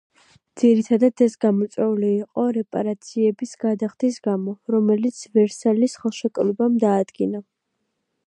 ძირითადად, ეს გამოწვეული იყო რეპარაციების გადახდის გამო, რომელიც ვერსალის ხელშეკრულებამ დაადგინა.